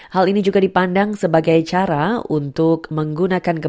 hal ini juga dipandang sebagai cara untuk menggunakan geban